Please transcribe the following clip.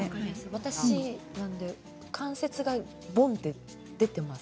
私はＣなので関節がボンと出ています。